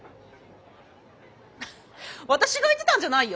私が言ってたんじゃないよ。